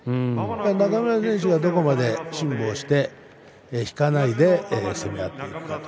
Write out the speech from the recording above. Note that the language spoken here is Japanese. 中村選手がどこまで辛抱して引かないでいくか。